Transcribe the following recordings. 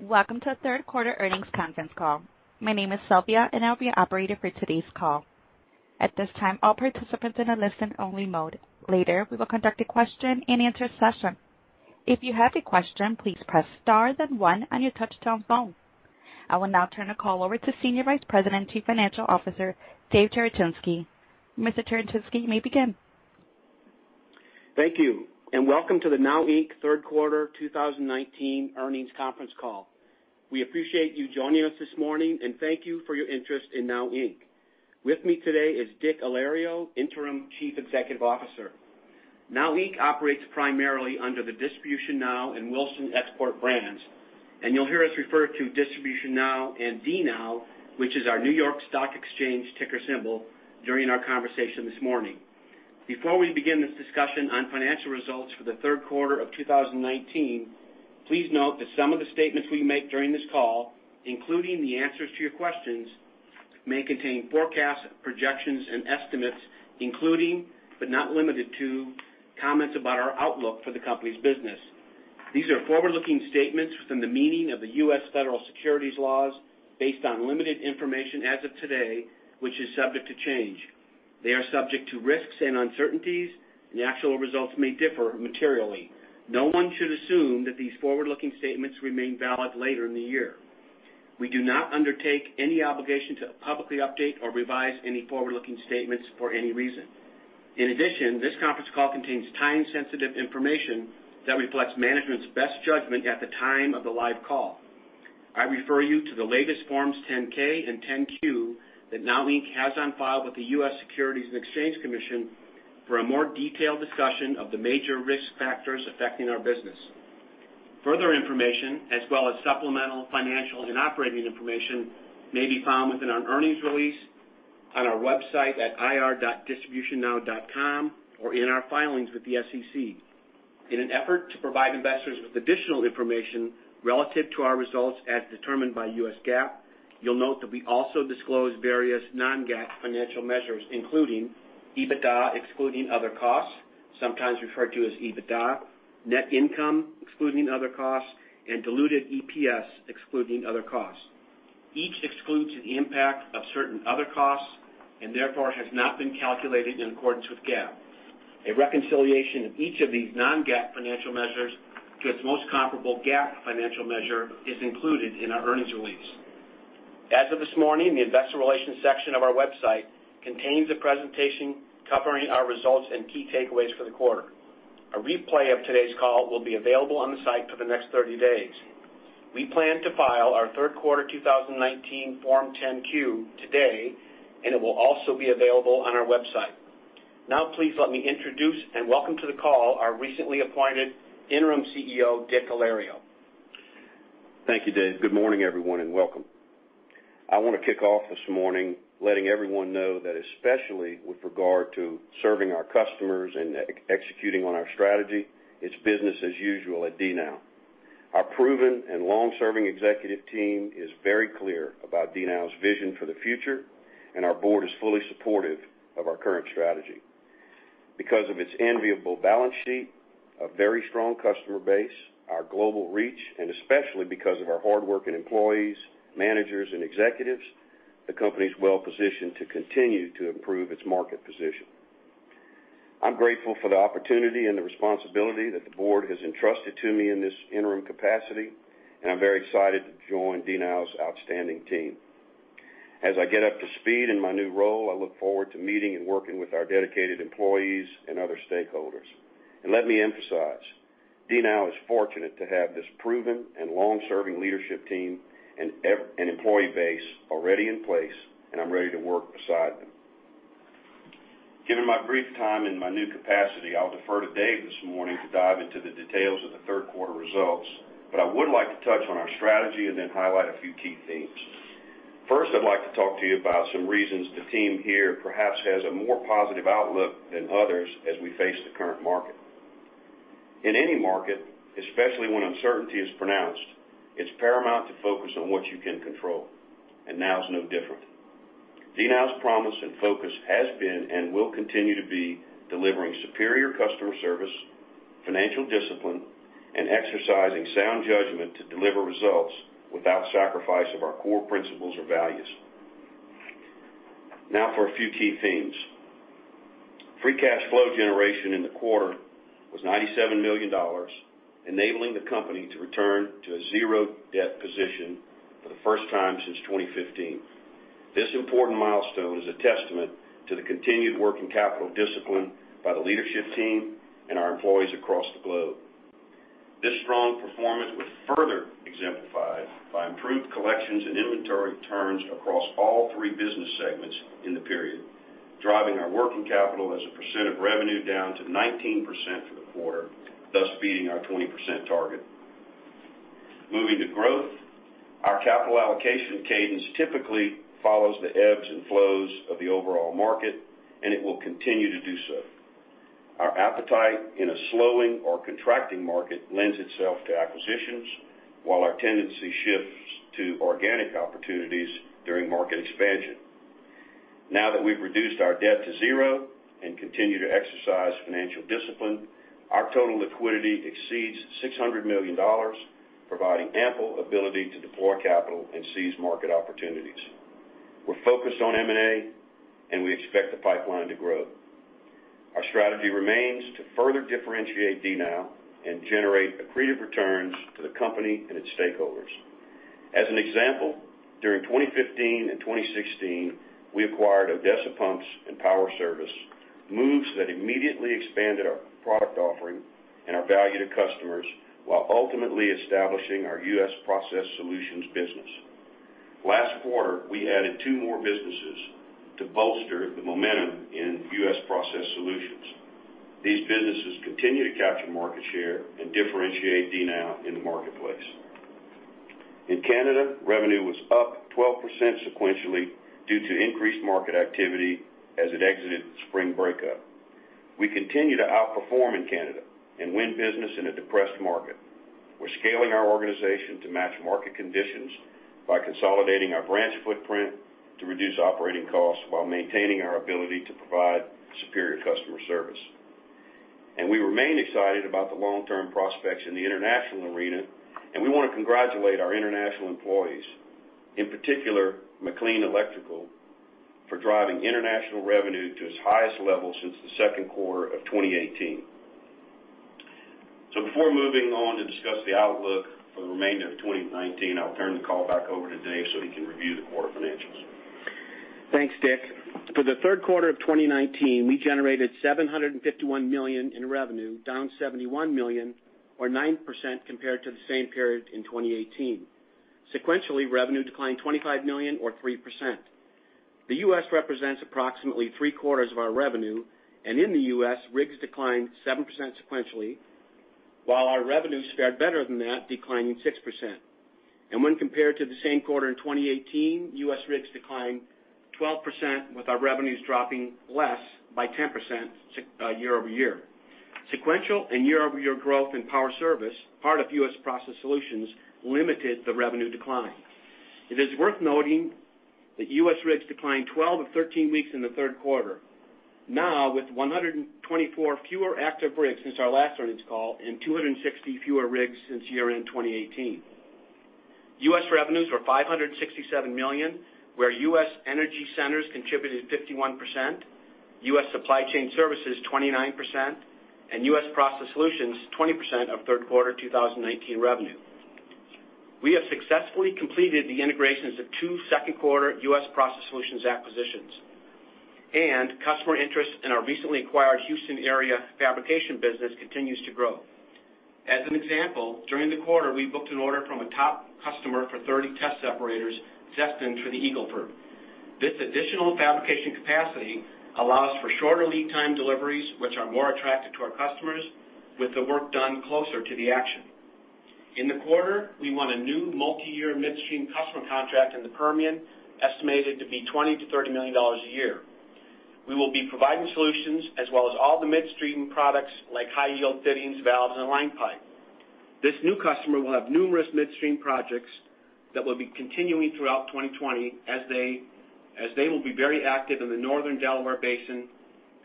Welcome to the third quarter earnings conference call. My name is Sylvia, and I'll be operating for today's call. At this time, all participants are in a listen-only mode. Later, we will conduct a question-and-answer session. If you have a question, please press star then one on your touch-tone phone. I will now turn the call over to Senior Vice President and Chief Financial Officer, Dave Cherechinsky. Mr. Cherechinsky, you may begin. Thank you, and welcome to the NOW Inc. third quarter 2019 earnings conference call. We appreciate you joining us this morning, and thank you for your interest in NOW Inc. With me today is Dick Alario, Interim Chief Executive Officer. NOW Inc. operates primarily under the DistributionNOW and Wilson Export brands, and you'll hear us refer to DistributionNOW and DNOW, which is our New York Stock Exchange ticker symbol, during our conversation this morning. Before we begin this discussion on financial results for the third quarter of 2019, please note that some of the statements we make during this call, including the answers to your questions, may contain forecasts, projections, and estimates including, but not limited to, comments about our outlook for the company's business. These are forward-looking statements within the meaning of the U.S. federal securities laws based on limited information as of today, which is subject to change. They are subject to risks and uncertainties, and the actual results may differ materially. No one should assume that these forward-looking statements remain valid later in the year. We do not undertake any obligation to publicly update or revise any forward-looking statements for any reason. In addition, this conference call contains time-sensitive information that reflects management's best judgment at the time of the live call. I refer you to the latest Forms 10-K and 10-Q that NOW Inc. has on file with the US Securities and Exchange Commission for a more detailed discussion of the major risk factors affecting our business. Further information, as well as supplemental financial and operating information, may be found within our earnings release, on our website at ir.distributionnow.com, or in our filings with the SEC. In an effort to provide investors with additional information relative to our results as determined by U.S. GAAP, you'll note that we also disclose various non-GAAP financial measures, including EBITDA excluding other costs, sometimes referred to as EBITDA, net income excluding other costs, and diluted EPS excluding other costs. Each excludes the impact of certain other costs, and therefore, has not been calculated in accordance with GAAP. A reconciliation of each of these non-GAAP financial measures to its most comparable GAAP financial measure is included in our earnings release. As of this morning, the investor relations section of our website contains a presentation covering our results and key takeaways for the quarter. A replay of today's call will be available on the site for the next 30 days. We plan to file our third quarter 2019 Form 10-Q today, and it will also be available on our website. Now please let me introduce and welcome to the call our recently appointed Interim CEO, Dick Alario. Thank you, Dave. Good morning, everyone, and welcome. I want to kick off this morning letting everyone know that, especially with regard to serving our customers and executing on our strategy, it's business as usual at DNOW. Our proven and long-serving executive team is very clear about DNOW's vision for the future, and our board is fully supportive of our current strategy. Because of its enviable balance sheet, a very strong customer base, our global reach, and especially because of our hardworking employees, managers, and executives, the company is well-positioned to continue to improve its market position. I'm grateful for the opportunity and the responsibility that the board has entrusted to me in this interim capacity, and I'm very excited to join DNOW's outstanding team. As I get up to speed in my new role, I look forward to meeting and working with our dedicated employees and other stakeholders. Let me emphasize, DNOW is fortunate to have this proven and long-serving leadership team and employee base already in place, and I'm ready to work beside them. Given my brief time in my new capacity, I'll defer to Dave this morning to dive into the details of the third quarter results, but I would like to touch on our strategy and then highlight a few key themes. First, I'd like to talk to you about some reasons the team here perhaps has a more positive outlook than others as we face the current market. In any market, especially when uncertainty is pronounced, it's paramount to focus on what you can control. DNOW is no different. DNOW's promise and focus has been and will continue to be delivering superior customer service, financial discipline, and exercising sound judgment to deliver results without sacrifice of our core principles or values. Now for a few key themes. Free cash flow generation in the quarter was $97 million, enabling the company to return to a zero-debt position for the first time since 2015. This important milestone is a testament to the continued working capital discipline by the leadership team and our employees across the globe. This strong performance was further exemplified by improved collections and inventory turns across all three business segments in the period, driving our working capital as a percent of revenue down to 19% for the quarter, thus beating our 20% target. Moving to growth, our capital allocation cadence typically follows the ebbs and flows of the overall market, and it will continue to do so. Our appetite in a slowing or contracting market lends itself to acquisitions, while our tendency shifts to organic opportunities during market expansion. Now that we've reduced our debt to zero and continue to exercise financial discipline, our total liquidity exceeds $600 million, providing ample ability to deploy capital and seize market opportunities. We're focused on M&A, and we expect the pipeline to grow. Our strategy remains to further differentiate DNOW and generate accretive returns to the company and its stakeholders. As an example, during 2015 and 2016, we acquired Odessa Pumps and Power Service, moves that immediately expanded our product offering and our value to customers while ultimately establishing our US Process Solutions business. Last quarter, we added two more businesses to bolster the momentum in US Process Solutions. These businesses continue to capture market share and differentiate DNOW in the marketplace. In Canada, revenue was up 12% sequentially due to increased market activity as it exited spring breakup. We continue to outperform in Canada and win business in a depressed market. We're scaling our organization to match market conditions by consolidating our branch footprint to reduce operating costs while maintaining our ability to provide superior customer service. We remain excited about the long-term prospects in the international arena, and we want to congratulate our international employees, in particular MacLean Electrical, for driving international revenue to its highest level since the second quarter of 2018. Before moving on to discuss the outlook for the remainder of 2019, I'll turn the call back over to Dave so he can review the quarter financials. Thanks, Dick. For the third quarter of 2019, we generated $751 million in revenue, down $71 million or 9% compared to the same period in 2018. Sequentially, revenue declined $25 million or 3%. The U.S. represents approximately three-quarters of our revenue, and in the U.S., rigs declined 7% sequentially, while our revenue fared better than that, declining 6%. When compared to the same quarter in 2018, U.S. rigs declined 12%, with our revenues dropping less by 10% year-over-year. Sequential and year-over-year growth in Power Service, part of U.S. Process Solutions, limited the revenue decline. It is worth noting that U.S. rigs declined 12 of 13 weeks in the third quarter. Now with 124 fewer active rigs since our last earnings call and 260 fewer rigs since year-end 2018. U.S. revenues were $567 million, where US Energy Centers contributed 51%, US Supply Chain Services 29%, and US Process Solutions 20% of third quarter 2019 revenue. We have successfully completed the integrations of two second-quarter US Process Solutions acquisitions. Customer interest in our recently acquired Houston area fabrication business continues to grow. As an example, during the quarter, we booked an order from a top customer for 30 test separators destined for the Eagle Ford. This additional fabrication capacity allows for shorter lead time deliveries, which are more attractive to our customers, with the work done closer to the action. In the quarter, we won a new multi-year midstream customer contract in the Permian, estimated to be $20 million-$30 million a year. We will be providing solutions as well as all the midstream products like high-yield fittings, valves, and line pipe. This new customer will have numerous midstream projects that will be continuing throughout 2020 as they will be very active in the northern Delaware Basin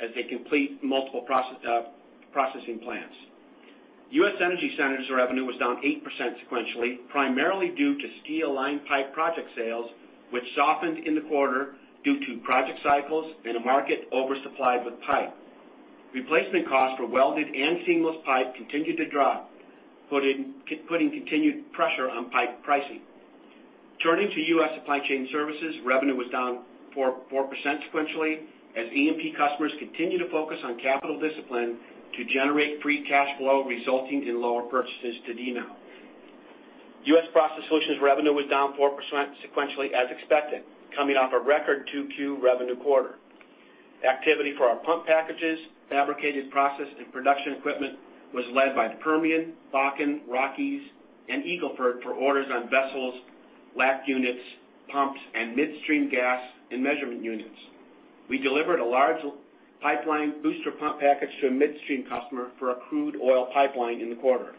as they complete multiple processing plants. US Energy Centers' revenue was down 8% sequentially, primarily due to steel line pipe project sales, which softened in the quarter due to project cycles in a market oversupplied with pipe. Replacement costs for welded and seamless pipe continued to drop, putting continued pressure on pipe pricing. Turning to US Supply Chain Services, revenue was down 4% sequentially as E&P customers continue to focus on capital discipline to generate free cash flow, resulting in lower purchases to DNOW. US Process Solutions revenue was down 4% sequentially as expected, coming off a record 2Q revenue quarter. Activity for our pump packages, fabricated process, and production equipment was led by the Permian, Bakken, Rockies, and Eagle Ford for orders on vessels, LACT units, pumps, and midstream gas and measurement units. We delivered a large pipeline booster pump package to a midstream customer for a crude oil pipeline in the quarter.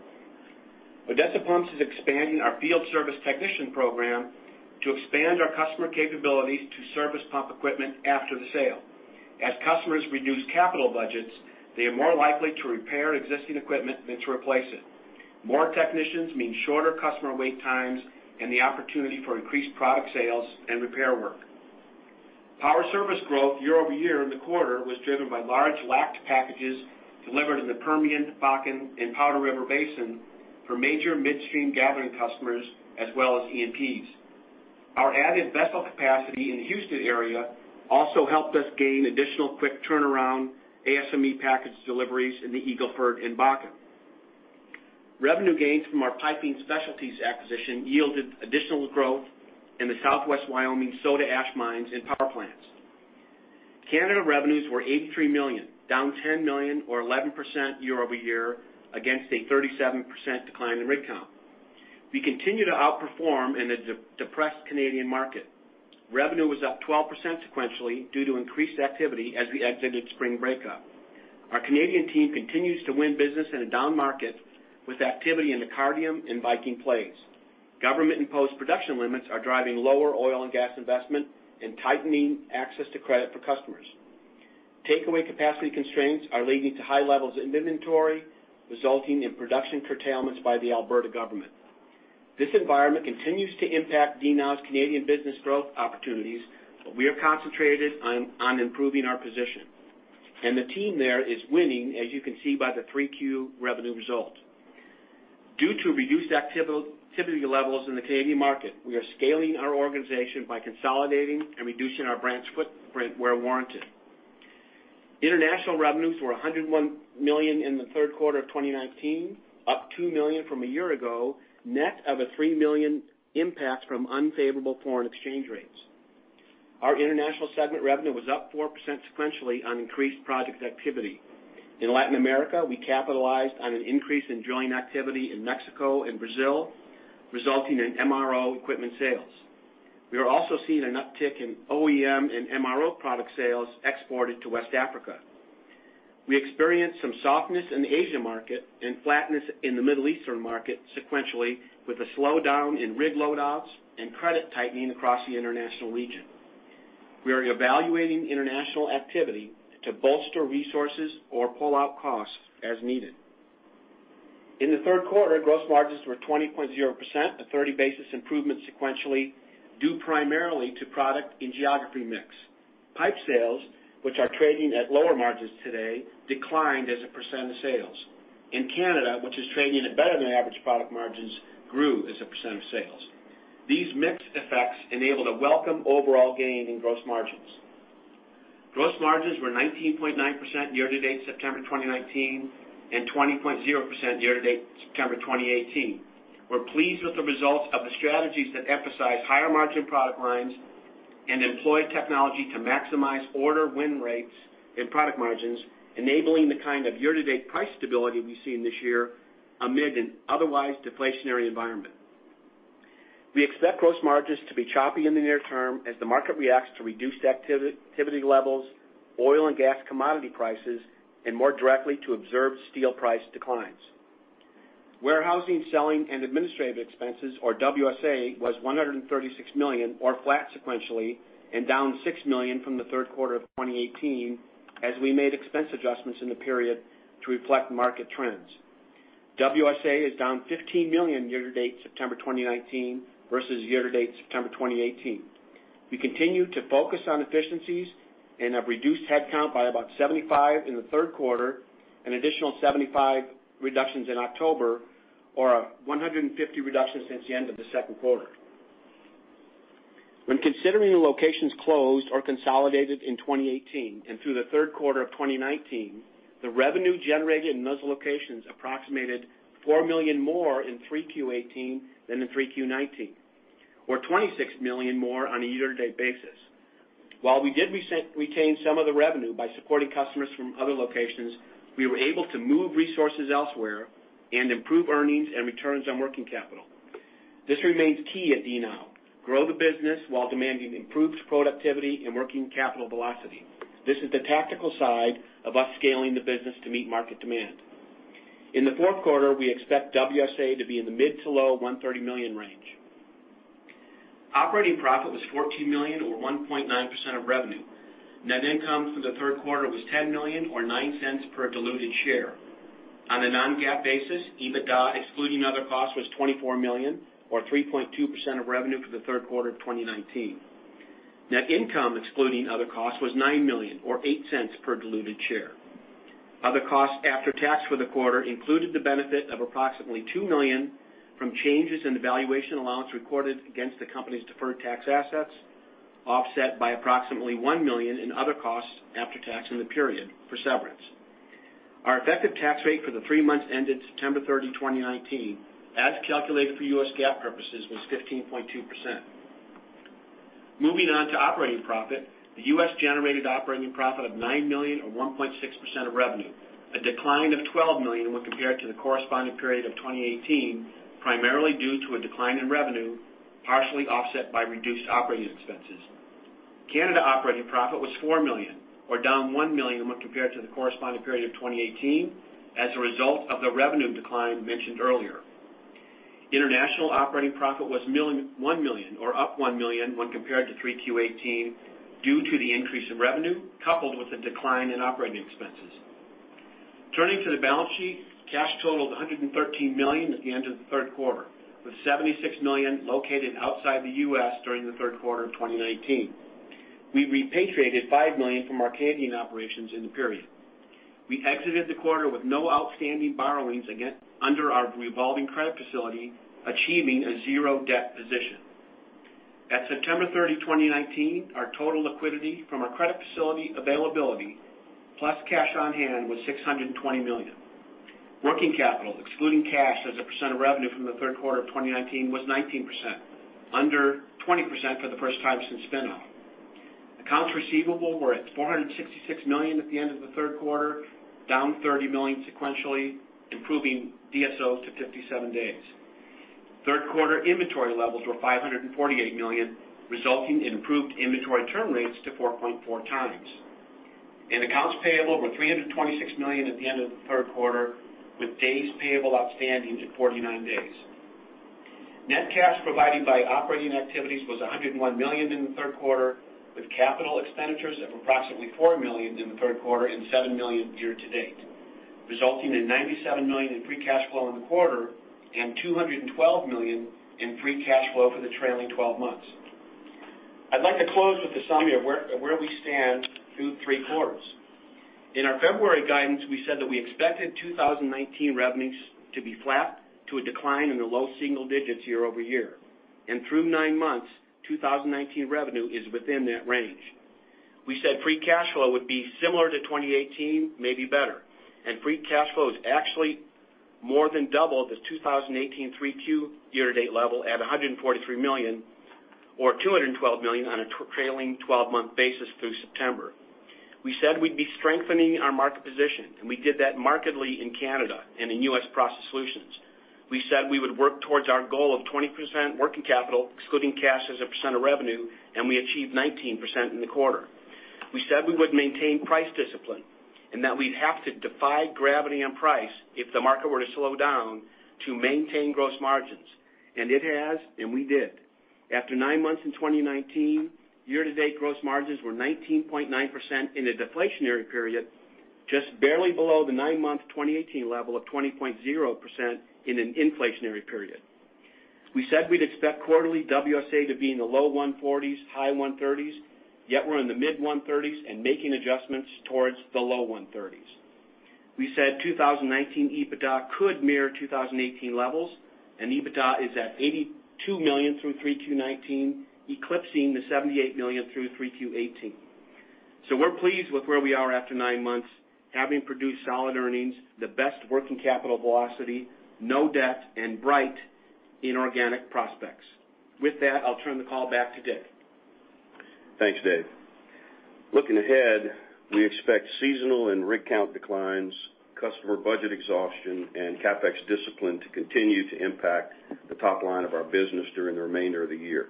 Odessa Pumps is expanding our field service technician program to expand our customer capabilities to service pump equipment after the sale. As customers reduce capital budgets, they are more likely to repair existing equipment than to replace it. More technicians mean shorter customer wait times and the opportunity for increased product sales and repair work. Power Service growth year-over-year in the quarter was driven by large LACT packages delivered in the Permian, Bakken, and Powder River Basin for major midstream gathering customers, as well as E&Ps. Our added vessel capacity in the Houston area also helped us gain additional quick turnaround ASME package deliveries in the Eagle Ford and Bakken. Revenue gains from our Piping Specialties acquisition yielded additional growth in the southwest Wyoming soda ash mines and power plants. Canada revenues were $83 million, down $10 million or 11% year-over-year against a 37% decline in rig count. We continue to outperform in the depressed Canadian market. Revenue was up 12% sequentially due to increased activity as we exited spring breakup. Our Canadian team continues to win business in a down market with activity in the Cardium and Viking plays. Government imposed production limits are driving lower oil and gas investment and tightening access to credit for customers. Takeaway capacity constraints are leading to high levels of inventory, resulting in production curtailments by the Alberta government. This environment continues to impact DNOW's Canadian business growth opportunities. We are concentrated on improving our position. The team there is winning, as you can see by the 3Q revenue result. Due to reduced activity levels in the Canadian market, we are scaling our organization by consolidating and reducing our branch footprint where warranted. International revenues were $101 million in the third quarter of 2019, up $2 million from a year ago, net of a $3 million impact from unfavorable foreign exchange rates. Our international segment revenue was up 4% sequentially on increased project activity. In Latin America, we capitalized on an increase in drilling activity in Mexico and Brazil, resulting in MRO equipment sales. We are also seeing an uptick in OEM and MRO product sales exported to West Africa. We experienced some softness in the Asia market and flatness in the Middle Eastern market sequentially, with a slowdown in rig load outs and credit tightening across the international region. We are evaluating international activity to bolster resources or pull out costs as needed. In the third quarter, gross margins were 20.0%, a 30 basis improvement sequentially, due primarily to product and geography mix. Pipe sales, which are trading at lower margins today, declined as a % of sales. In Canada, which is trading at better than average product margins, grew as a % of sales. These mixed effects enabled a welcome overall gain in gross margins. Gross margins were 19.9% year-to-date September 2019 and 20.0% year-to-date September 2018. We're pleased with the results of the strategies that emphasize higher margin product lines and employ technology to maximize order win rates and product margins, enabling the kind of year-to-date price stability we've seen this year amid an otherwise deflationary environment. We expect gross margins to be choppy in the near term as the market reacts to reduced activity levels, oil and gas commodity prices, and more directly to observed steel price declines. Warehousing, selling, and administrative expenses, or WSA, was $136 million, or flat sequentially, and down $6 million from the third quarter of 2018, as we made expense adjustments in the period to reflect market trends. WSA is down $15 million year-to-date September 2019 versus year-to-date September 2018. We continue to focus on efficiencies and have reduced headcount by about 75 in the third quarter, an additional 75 reductions in October, or 150 reductions since the end of the second quarter. When considering the locations closed or consolidated in 2018 and through the third quarter of 2019, the revenue generated in those locations approximated $4 million more in 3Q18 than in 3Q19, or $26 million more on a year-to-date basis. While we did retain some of the revenue by supporting customers from other locations, we were able to move resources elsewhere and improve earnings and returns on working capital. This remains key at DNOW: grow the business while demanding improved productivity and working capital velocity. This is the tactical side of us scaling the business to meet market demand. In the fourth quarter, we expect WSA to be in the mid to low $130 million range. Operating profit was $14 million or 1.9% of revenue. Net income for the third quarter was $10 million or $0.09 per diluted share. On a non-GAAP basis, EBITDA excluding other costs was $24 million or 3.2% of revenue for the third quarter of 2019. Net income excluding other costs was $9 million or $0.08 per diluted share. Other costs after tax for the quarter included the benefit of approximately $2 million from changes in the valuation allowance recorded against the company's deferred tax assets, offset by approximately $1 million in other costs after tax in the period for severance. Our effective tax rate for the three months ended September 30, 2019, as calculated for US GAAP purposes, was 15.2%. Moving on to operating profit. The U.S. generated operating profit of $9 million or 1.6% of revenue, a decline of $12 million when compared to the corresponding period of 2018, primarily due to a decline in revenue, partially offset by reduced operating expenses. Canada operating profit was $4 million or down $1 million when compared to the corresponding period of 2018 as a result of the revenue decline mentioned earlier. International operating profit was $1 million or up $1 million when compared to 3Q18 due to the increase in revenue coupled with a decline in operating expenses. Turning to the balance sheet, cash totaled $113 million at the end of the third quarter, with $76 million located outside the U.S. during the third quarter of 2019. We repatriated $5 million from our Canadian operations in the period. We exited the quarter with no outstanding borrowings under our revolving credit facility, achieving a zero debt position. At September 30, 2019, our total liquidity from our credit facility availability, plus cash on hand, was $620 million. Working capital, excluding cash as a % of revenue from the third quarter of 2019, was 19%, under 20% for the first time since spin-off. Accounts receivable were at $466 million at the end of the third quarter, down $30 million sequentially, improving DSO to 57 days. Third quarter inventory levels were $548 million, resulting in improved inventory turn rates to 4.4 times. Accounts payable were $326 million at the end of the third quarter, with days payable outstanding to 49 days. Net cash provided by operating activities was $101 million in the third quarter, with capital expenditures of approximately $4 million in the third quarter and $7 million year to date, resulting in $97 million in free cash flow in the quarter and $212 million in free cash flow for the trailing 12 months. I'd like to close with a summary of where we stand through three quarters. In our February guidance, we said that we expected 2019 revenues to be flat to a decline in the low single digits year-over-year. Through nine months, 2019 revenue is within that range. We said free cash flow would be similar to 2018, maybe better, and free cash flow is actually more than double the 2018 3Q year-to-date level at $143 million, or $212 million on a trailing 12-month basis through September. We said we'd be strengthening our market position, we did that markedly in Canada and in US Process Solutions. We said we would work towards our goal of 20% working capital, excluding cash as a percent of revenue, we achieved 19% in the quarter. We said we would maintain price discipline and that we'd have to defy gravity on price if the market were to slow down to maintain gross margins. It has, and we did. After nine months in 2019, year-to-date gross margins were 19.9% in a deflationary period, just barely below the nine-month 2018 level of 20.0% in an inflationary period. We said we'd expect quarterly WSA to be in the low 140s, high 130s, yet we're in the mid 130s and making adjustments towards the low 130s. We said 2019 EBITDA could mirror 2018 levels. EBITDA is at $82 million through 3Q 2019, eclipsing the $78 million through 3Q 2018. We're pleased with where we are after nine months, having produced solid earnings, the best working capital velocity, no debt, and bright inorganic prospects. With that, I'll turn the call back to Dave. Thanks, Dave. Looking ahead, we expect seasonal and rig count declines, customer budget exhaustion, and CapEx discipline to continue to impact the top line of our business during the remainder of the year.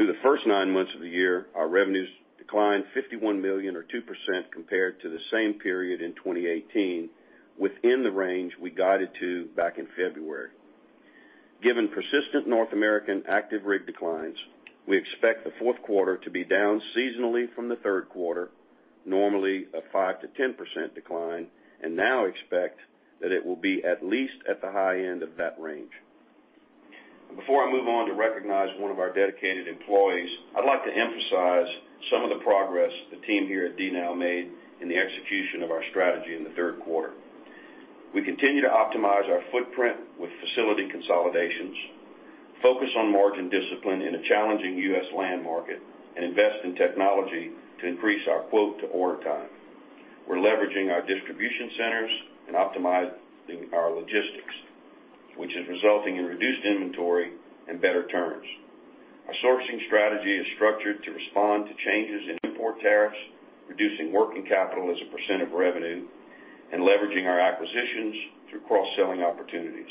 Through the first nine months of the year, our revenues declined $51 million or 2% compared to the same period in 2018, within the range we guided to back in February. Given persistent North American active rig declines, we expect the fourth quarter to be down seasonally from the third quarter, normally a 5%-10% decline, and now expect that it will be at least at the high end of that range. Before I move on to recognize one of our dedicated employees, I'd like to emphasize some of the progress the team here at DNOW made in the execution of our strategy in the third quarter. We continue to optimize our footprint with facility consolidations, focus on margin discipline in a challenging U.S. land market, and invest in technology to increase our quote to order time. We're leveraging our distribution centers and optimizing our logistics, which is resulting in reduced inventory and better turns. Our sourcing strategy is structured to respond to changes in import tariffs, reducing working capital as a % of revenue, and leveraging our acquisitions through cross-selling opportunities.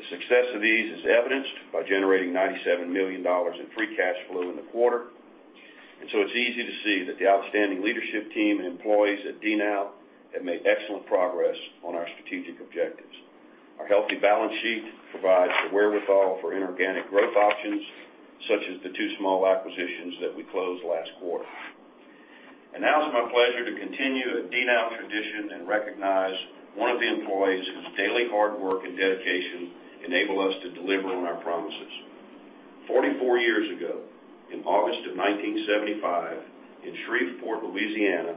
The success of these is evidenced by generating $97 million in free cash flow in the quarter. It's easy to see that the outstanding leadership team and employees at DNOW have made excellent progress on our strategic objectives. Our healthy balance sheet provides the wherewithal for inorganic growth options, such as the two small acquisitions that we closed last quarter. Now it's my pleasure to continue a DNOW tradition and recognize one of the employees whose daily hard work and dedication enable us to deliver on our promises. 44 years ago, in August of 1975, in Shreveport, Louisiana,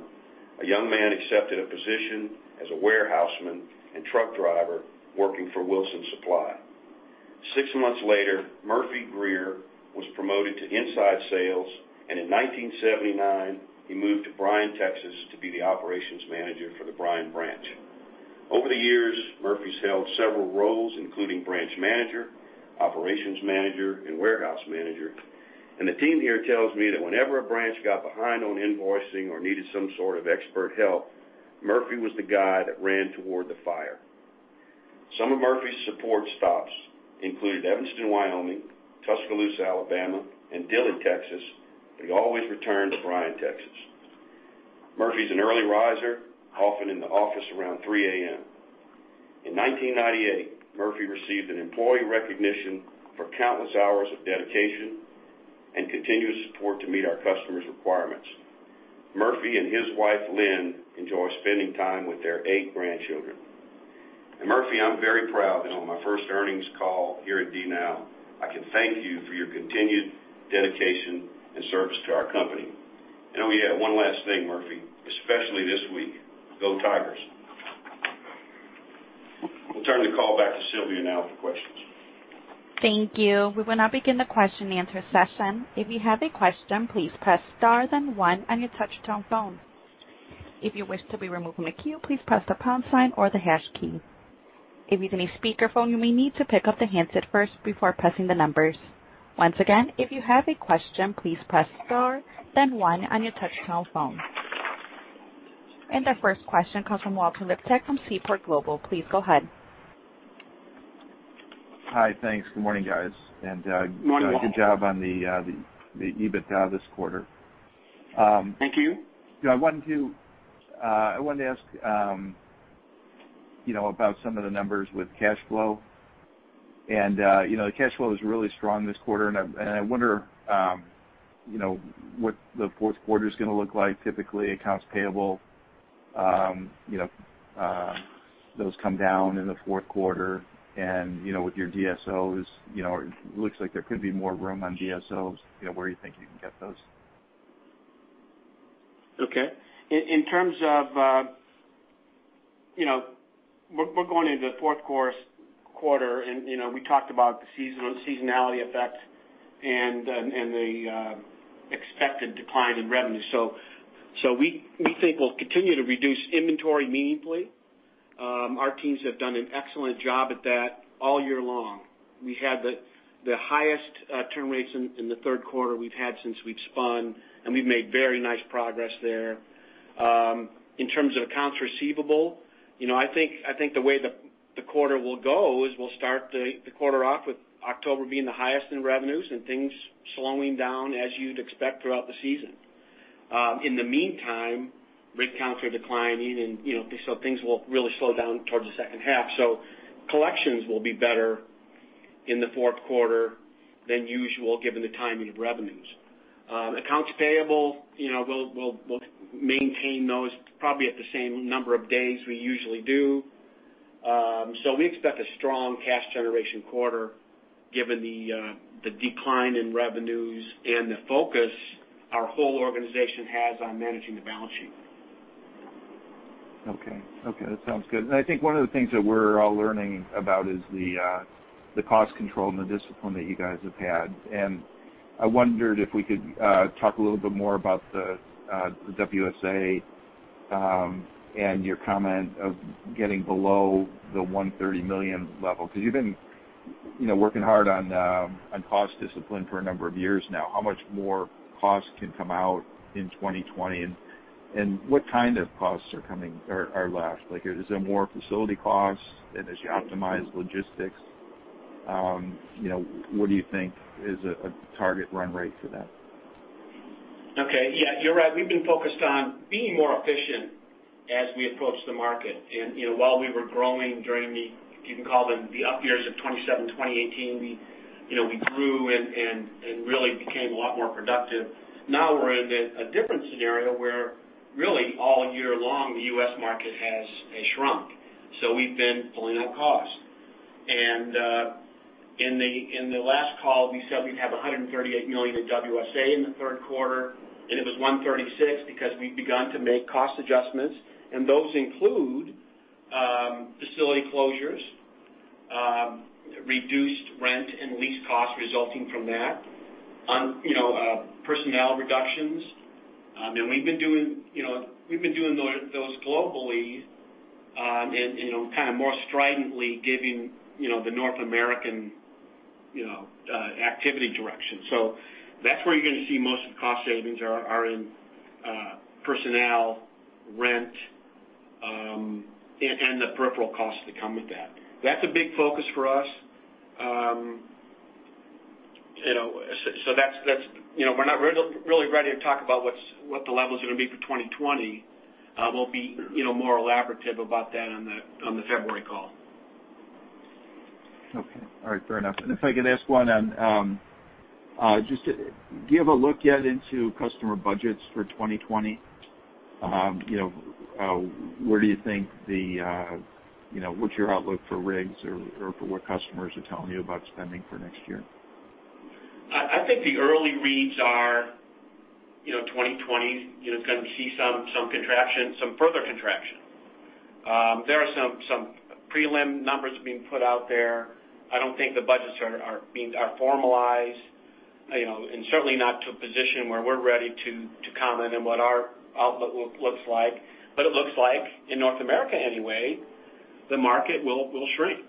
a young man accepted a position as a warehouseman and truck driver working for Wilson Supply. Six months later, Murphy Greer was promoted to inside sales, and in 1979, he moved to Bryan, Texas, to be the operations manager for the Bryan branch. Over the years, Murphy's held several roles, including branch manager, operations manager, and warehouse manager. The team here tells me that whenever a branch got behind on invoicing or needed some sort of expert help, Murphy was the guy that ran toward the fire. Some of Murphy's support stops included Evanston, Wyoming, Tuscaloosa, Alabama, and Dilley Texas, but he always returned to Bryan, Texas. Murphy's an early riser, often in the office around 3:00 A.M. In 1998, Murphy received an employee recognition for countless hours of dedication and continuous support to meet our customers' requirements. Murphy and his wife, Lynn, enjoy spending time with their eight grandchildren. Murphy, I'm very proud that on my first earnings call here at DNOW, I can thank you for your continued dedication and service to our company. Oh yeah, one last thing, Murphy, especially this week, go Tigers. We'll turn the call back to Sylvia now for questions. Thank you. We will now begin the question and answer session. If you have a question, please press star then one on your touchtone phone. If you wish to be removed from a queue, please press the pound sign or the hash key. If using a speakerphone, you may need to pick up the handset first before pressing the numbers. Once again, if you have a question, please press star then one on your touchtone phone. Our first question comes from Walter Liptak from Seaport Global. Please go ahead. Hi. Thanks. Good morning, guys. Morning, Walter. Good job on the EBITDA this quarter. Thank you. I wanted to ask about some of the numbers with cash flow. The cash flow is really strong this quarter, and I wonder what the fourth quarter's going to look like. Typically, accounts payable, those come down in the fourth quarter, and with your DSOs, it looks like there could be more room on DSOs. Where are you thinking you can get those? Okay. We're going into the fourth quarter. We talked about the seasonality effect and the expected decline in revenue. We think we'll continue to reduce inventory meaningfully. Our teams have done an excellent job at that all year long. We had the highest turn rates in the third quarter we've had since we've spun. We've made very nice progress there. In terms of accounts receivable, I think the way the quarter will go is we'll start the quarter off with October being the highest in revenues and things slowing down as you'd expect throughout the season. In the meantime, rig counts are declining. Things will really slow down towards the second half. Collections will be better in the fourth quarter than usual given the timing of revenues. Accounts payable, we'll maintain those probably at the same number of days we usually do. We expect a strong cash generation quarter given the decline in revenues and the focus our whole organization has on managing the balance sheet. Okay. That sounds good. I think one of the things that we're all learning about is the cost control and the discipline that you guys have had. I wondered if we could talk a little bit more about the WSA and your comment of getting below the $130 million level, because you've been working hard on cost discipline for a number of years now. How much more cost can come out in 2020, and what kind of costs are left? Like, is it more facility costs? As you optimize logistics, what do you think is a target run rate for that? Okay. Yeah, you're right. We've been focused on being more efficient as we approach the market. While we were growing during the, you can call them the up years of 2017, 2018, we grew and really became a lot more productive. Now we're in a different scenario where really all year long, the U.S. market has shrunk. We've been pulling out costs. In the last call, we said we'd have $138 million in WSA in the third quarter, and it was $136 million because we've begun to make cost adjustments, and those include facility closures, reduced rent and lease costs resulting from that, personnel reductions. We've been doing those globally and kind of more stridently giving the North American activity direction. That's where you're going to see most of the cost savings are in personnel, rent, and the peripheral costs that come with that. That's a big focus for us. We're not really ready to talk about what the levels are going to be for 2020. We'll be more elaborative about that on the February call. Okay. All right, fair enough. If I could ask one on, do you have a look yet into customer budgets for 2020? What's your outlook for rigs or for what customers are telling you about spending for next year? I think the early reads are 2020 is going to see some further contraction. There are some prelim numbers being put out there. I don't think the budgets are formalized, and certainly not to a position where we're ready to comment on what our outlook looks like. It looks like, in North America anyway, the market will shrink.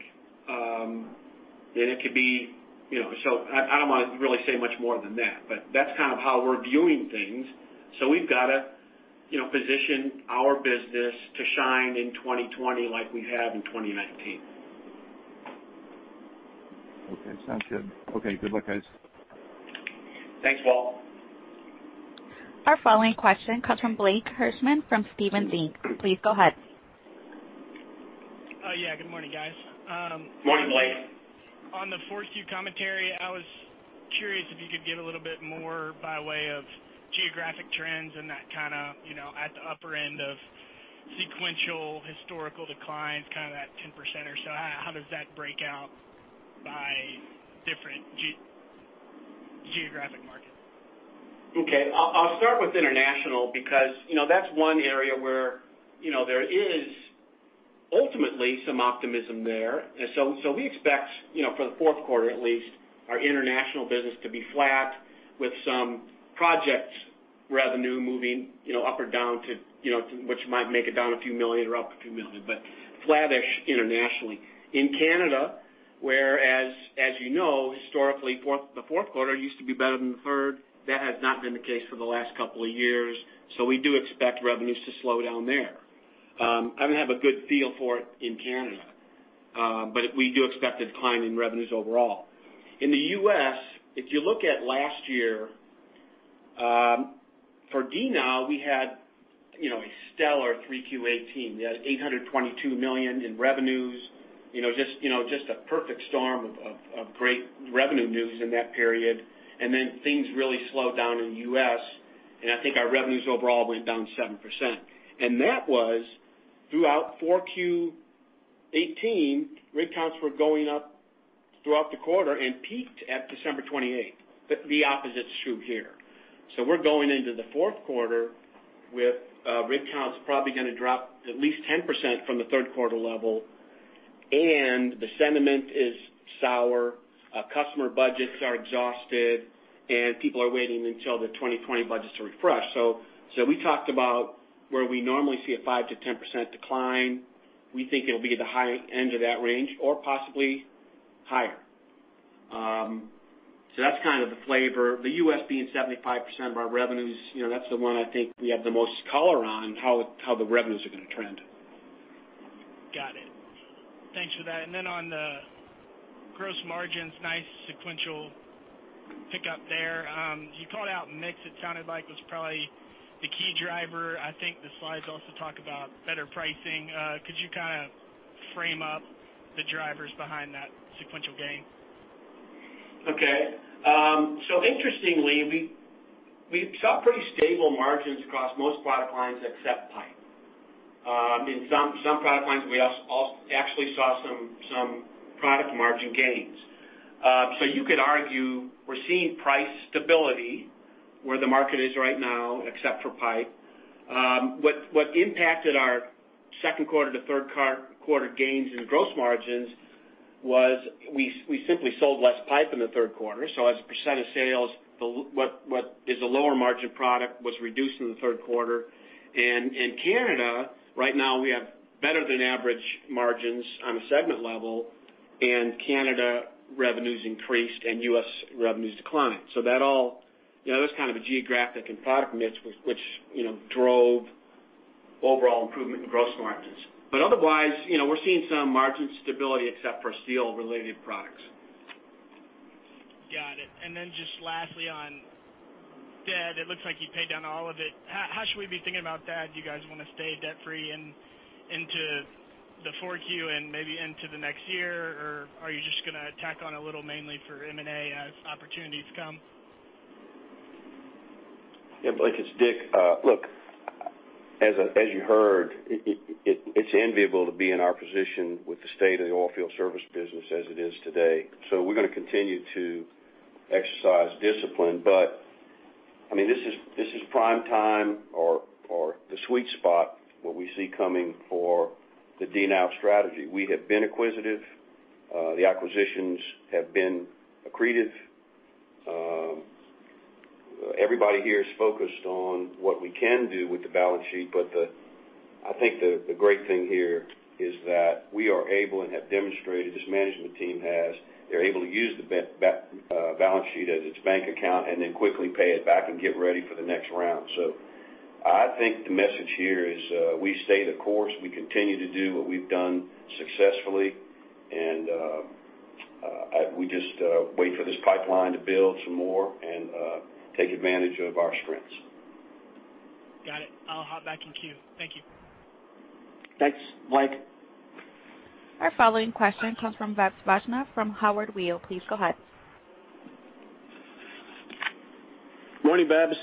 I don't want to really say much more than that, but that's kind of how we're viewing things. We've got to position our business to shine in 2020 like we have in 2019. Okay, sounds good. Okay, good luck, guys. Thanks, Walt. Our following question comes from Blake Hirschman from Stephens Inc. Please go ahead. Good morning, guys. Morning, Blake. On the 4Q commentary, I was curious if you could give a little bit more by way of geographic trends and that kind of at the upper end of sequential historical declines, kind of that 10% or so, how does that break out by different geographic markets? I'll start with international because that's one area where there is ultimately some optimism there. We expect, for the fourth quarter at least, our international business to be flat with some projects revenue moving up or down to which might make it down a few million or up a few million, but flattish internationally. In Canada, as you know, historically, the fourth quarter used to be better than the third. That has not been the case for the last couple of years, we do expect revenues to slow down there. I don't have a good feel for it in Canada. We do expect a decline in revenues overall. In the U.S., if you look at last year, for DNOW, we had a stellar 3Q18. We had $822 million in revenues. Just a perfect storm of great revenue news in that period. Then things really slowed down in the U.S., and I think our revenues overall went down 7%. That was throughout 4Q18, rig counts were going up throughout the quarter and peaked at December 28th. The opposite is true here. We're going into the fourth quarter with rig counts probably going to drop at least 10% from the third quarter level, and the sentiment is sour. Customer budgets are exhausted, and people are waiting until the 2020 budgets to refresh. We talked about where we normally see a 5%-10% decline. We think it'll be at the high end of that range or possibly higher. That's kind of the flavor. The U.S. being 75% of our revenues, that's the one I think we have the most color on how the revenues are going to trend. Got it. Thanks for that. On the gross margins, nice sequential pickup there. You called out mix. It sounded like it was probably the key driver. I think the slides also talk about better pricing. Could you kind of frame up the drivers behind that sequential gain? Okay. Interestingly, we saw pretty stable margins across most product lines except pipe. In some product lines, we actually saw some product margin gains. You could argue we're seeing price stability where the market is right now, except for pipe. What impacted our second quarter to third quarter gains in gross margins was we simply sold less pipe in the third quarter. As a percent of sales, what is a lower margin product was reduced in the third quarter. In Canada, right now, we have better than average margins on a segment level, and Canada revenues increased, and U.S. revenues declined. That's kind of a geographic and product mix which drove overall improvement in gross margins. Otherwise, we're seeing some margin stability except for steel related products. Got it. Just lastly on debt. It looks like you paid down all of it. How should we be thinking about that? Do you guys want to stay debt free into the 4Q and maybe into the next year? Or are you just going to tack on a little mainly for M&A as opportunities come? Yeah, Blake, it's Dick. Look, as you heard, it's enviable to be in our position with the state of the oilfield service business as it is today. We're going to continue to exercise discipline. This is prime time or the sweet spot, what we see coming for the DNOW strategy. We have been acquisitive. The acquisitions have been accretive. Everybody here is focused on what we can do with the balance sheet, but I think the great thing here is that we are able and have demonstrated, this management team has, they're able to use the balance sheet as its bank account and then quickly pay it back and get ready for the next round. I think the message here is we stay the course. We continue to do what we've done successfully, and we just wait for this pipeline to build some more and take advantage of our strengths. Got it. I'll hop back in queue. Thank you. Thanks, Blake. Our following question comes from Vebs Vaishnav from Howard Weil. Please go ahead. Morning, Vebs.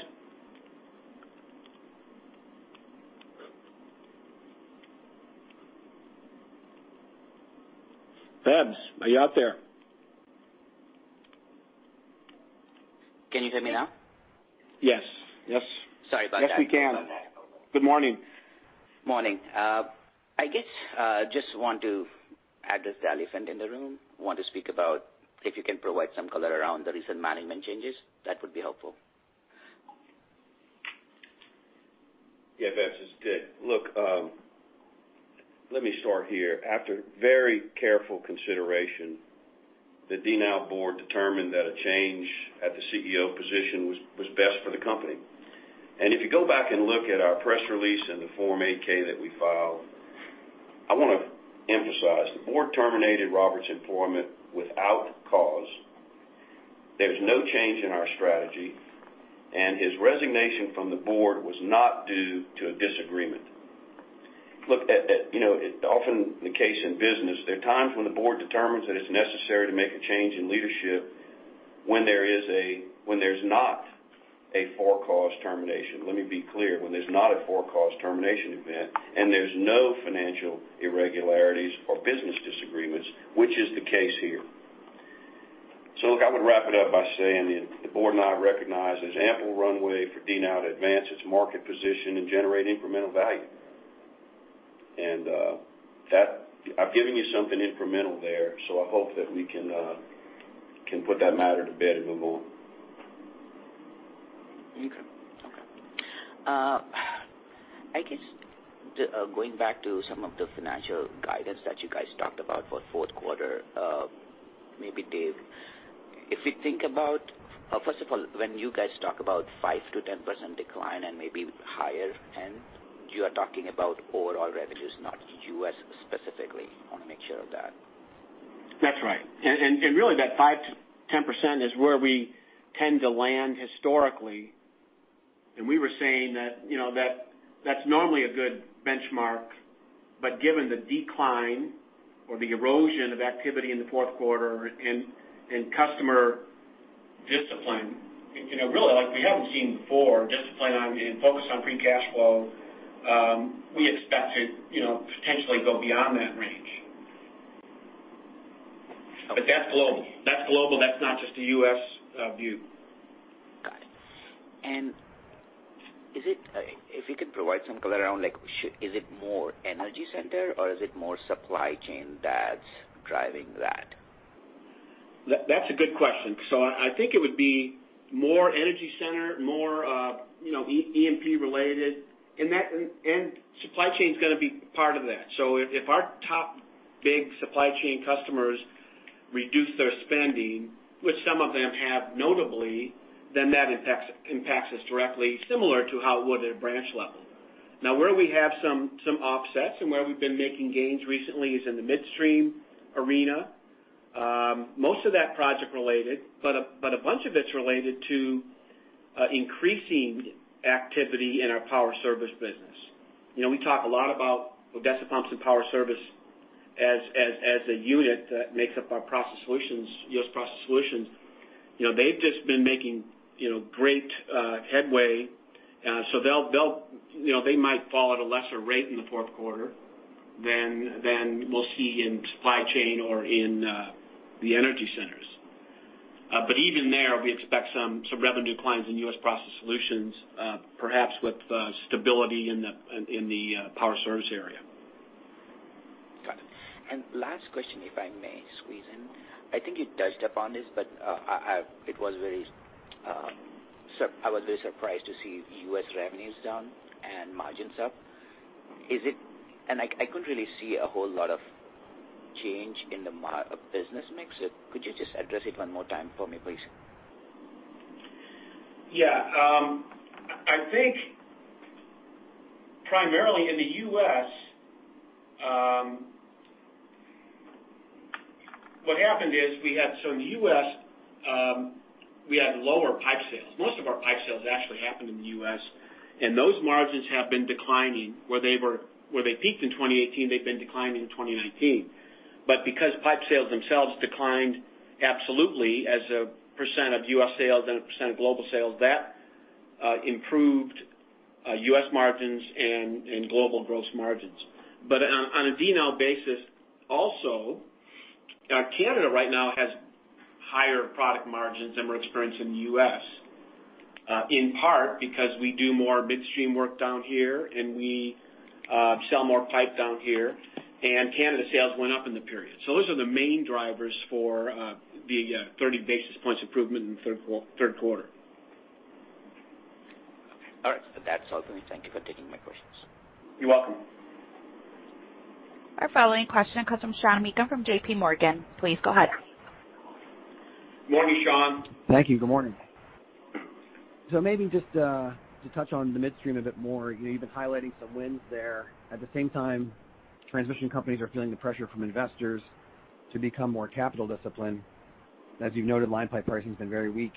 Vebs, are you out there? Can you hear me now? Yes. Sorry about that. Yes, we can. Good morning. Morning. I guess I just want to address the elephant in the room. I want to speak about if you can provide some color around the recent management changes. That would be helpful. Yeah, Vebs, it's Dick. Look, let me start here. After very careful consideration, the DNOW Board determined that a change at the CEO position was best for the company. If you go back and look at our press release and the Form 8-K that we filed, I want to emphasize, the board terminated Robert's employment without cause. There's no change in our strategy, and his resignation from the board was not due to a disagreement. Look, often the case in business, there are times when the board determines that it's necessary to make a change in leadership when there's not a for-cause termination. Let me be clear, when there's not a for-cause termination event, and there's no financial irregularities or business disagreements, which is the case here. Look, I would wrap it up by saying that the board and I recognize there's ample runway for DNOW to advance its market position and generate incremental value. I've given you something incremental there, I hope that we can put that matter to bed and move on. Okay. I guess, going back to some of the financial guidance that you guys talked about for fourth quarter. Maybe Dave, first of all, when you guys talk about 5%-10% decline and maybe higher end, you are talking about overall revenues, not U.S. specifically. I want to make sure of that. That's right. Really that 5%-10% is where we tend to land historically. We were saying that's normally a good benchmark, but given the decline or the erosion of activity in the fourth quarter and customer discipline, really like we haven't seen before, discipline and focus on free cash flow, we expect to potentially go beyond that range. Okay. That's global. That's not just a U.S. view. Got it. If you could provide some color around, is it more Energy Center or is it more Supply Chain that's driving that? That's a good question. I think it would be more Energy Center, more E&P related, and Supply Chain's going to be part of that. If our top big supply chain customers reduce their spending, which some of them have notably, then that impacts us directly, similar to how it would at a branch level. Where we have some offsets and where we've been making gains recently is in the midstream arena. Most of that project related, but a bunch of it's related to increasing activity in our Power Service business. We talk a lot about Odessa Pumps & Power Service as a unit that makes up our Process Solutions, U.S. Process Solutions. They've just been making great headway. They might fall at a lesser rate in the fourth quarter than we'll see in Supply Chain or in the Energy Centers. Even there, we expect some revenue declines in US Process Solutions, perhaps with stability in the Power Service area. Got it. Last question, if I may squeeze in. I think you touched upon this, but I was very surprised to see U.S. revenues down and margins up. I couldn't really see a whole lot of change in the business mix. Could you just address it one more time for me, please? Yeah. I think primarily in the U.S., what happened is, in the U.S. we had lower pipe sales. Most of our pipe sales actually happened in the U.S. Those margins have been declining. Where they peaked in 2018, they've been declining in 2019. Because pipe sales themselves declined absolutely as a percent of U.S. sales and a percent of global sales, that improved U.S. margins and global gross margins. On a DNOW basis, also, Canada right now has higher product margins than we're experiencing in the U.S. In part because we do more midstream work down here and we sell more pipe down here, Canada sales went up in the period. Those are the main drivers for the 30 basis points improvement in the third quarter. Okay. All right. That's all for me. Thank you for taking my questions. You're welcome. Our following question comes from Sean Meakim from JPMorgan. Please go ahead. Morning, Sean. Thank you. Good morning. Maybe just to touch on the midstream a bit more, you've been highlighting some wins there. At the same time, transmission companies are feeling the pressure from investors to become more capital disciplined. As you've noted, line pipe pricing's been very weak.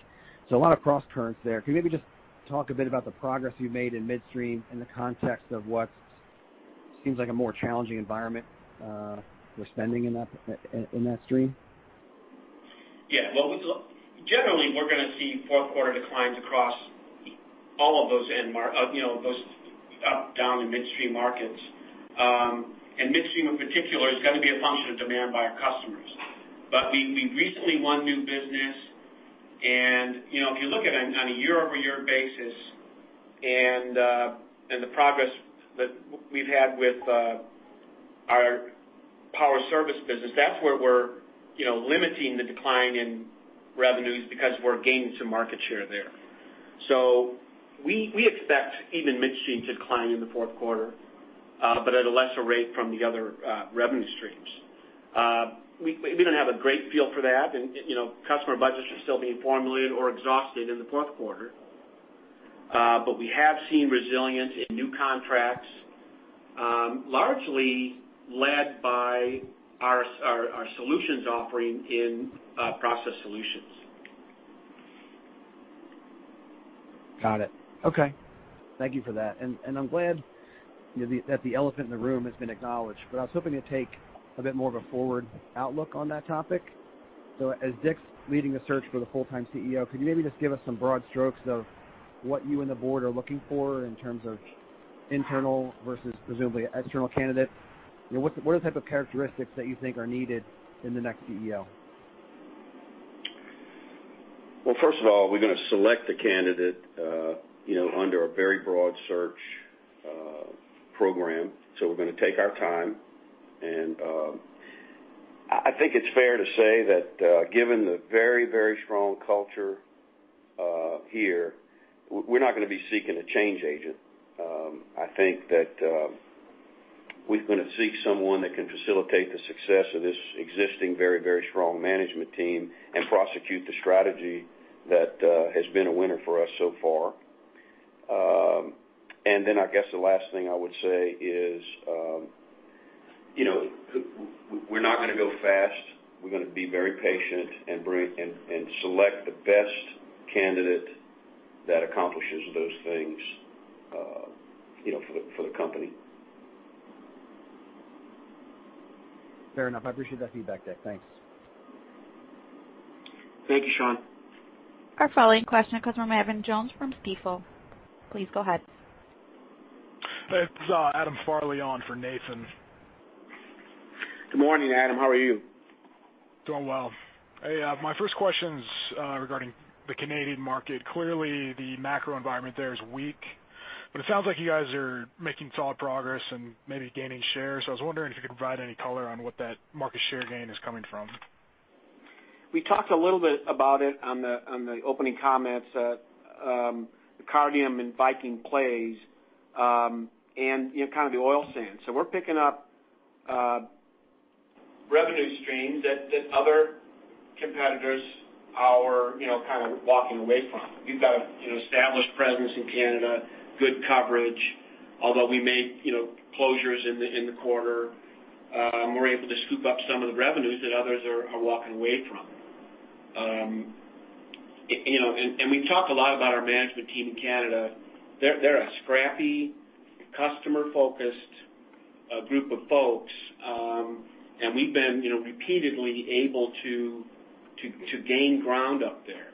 A lot of cross currents there. Can you maybe just talk a bit about the progress you've made in midstream in the context of what seems like a more challenging environment for spending in that stream? Yeah. Generally, we're going to see fourth quarter declines across all of those up, down, and midstream markets. Midstream in particular is going to be a function of demand by our customers. We recently won new business, and if you look at it on a year-over-year basis and the progress that we've had with our Power Service business, that's where we're limiting the decline in revenues because we're gaining some market share there. We expect even midstream to decline in the fourth quarter, but at a lesser rate from the other revenue streams. We don't have a great feel for that, and customer budgets are still being formulated or exhausted in the fourth quarter. We have seen resilience in new contracts, largely led by our solutions offering in process solutions. Got it. Okay. Thank you for that. I'm glad that the elephant in the room has been acknowledged, but I was hoping to take a bit more of a forward outlook on that topic. As Dick's leading the search for the full-time CEO, could you maybe just give us some broad strokes of what you and the board are looking for in terms of internal versus presumably external candidate? What are the type of characteristics that you think are needed in the next CEO? First of all, we're going to select a candidate under a very broad search program. We're going to take our time. I think it's fair to say that given the very strong culture here, we're not going to be seeking a change agent. I think that we're going to seek someone that can facilitate the success of this existing very strong management team and prosecute the strategy that has been a winner for us so far. I guess the last thing I would say is we're not going to go fast. We're going to be very patient and select the best candidate that accomplishes those things for the company. Fair enough. I appreciate that feedback, Dave. Thanks. Thank you, Sean. Our following question comes from Nathan Jones from Stifel. Please go ahead. It's Adam Farley on for Nathan. Good morning, Adam. How are you? Doing well. Hey, my first question's regarding the Canadian market. Clearly, the macro environment there is weak, but it sounds like you guys are making solid progress and maybe gaining share. I was wondering if you could provide any color on what that market share gain is coming from? We talked a little bit about it on the opening comments, the Cardium and Viking plays, and kind of the oil sand. We're picking up revenue streams that other competitors are kind of walking away from. We've got an established presence in Canada, good coverage. Although we made closures in the quarter, we're able to scoop up some of the revenues that others are walking away from. We talk a lot about our management team in Canada. They're a scrappy, customer-focused group of folks, and we've been repeatedly able to gain ground up there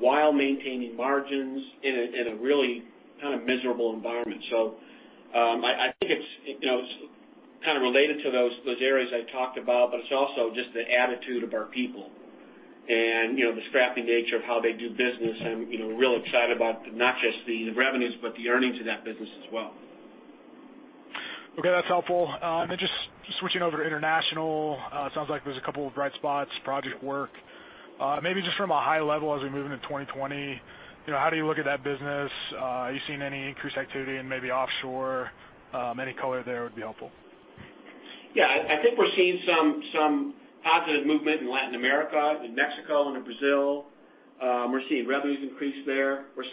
while maintaining margins in a really kind of miserable environment. I think it's kind of related to those areas I talked about, but it's also just the attitude of our people and the scrappy nature of how they do business. I'm real excited about not just the revenues, but the earnings of that business as well. Okay, that's helpful. Then just switching over to international, it sounds like there's a couple of bright spots, project work. Maybe just from a high level as we move into 2020, how do you look at that business? Are you seeing any increased activity in maybe offshore? Any color there would be helpful. I think we're seeing some positive movement in Latin America, in Mexico, and in Brazil. We're seeing revenues increase there. Things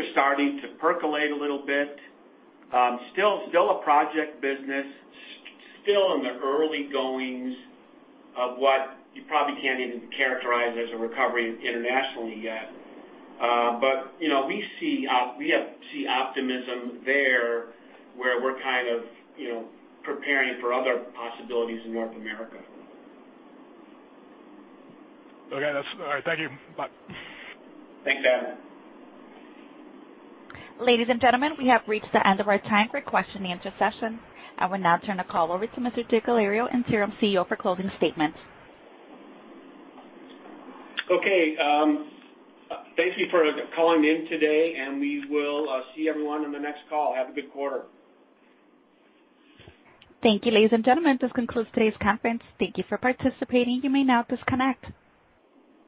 are starting to percolate a little bit. Still a project business, still in the early goings of what you probably can't even characterize as a recovery internationally yet. We see optimism there where we're kind of preparing for other possibilities in North America. Okay, that's all right. Thank you. Bye. Thanks, Adam. Ladies and gentlemen, we have reached the end of our time for question and answer session. I will now turn the call over to Mr. Dick Alario, Interim CEO, for closing statements. Okay. Thank you for calling in today. We will see everyone on the next call. Have a good quarter. Thank you, ladies and gentlemen. This concludes today's conference. Thank you for participating. You may now disconnect.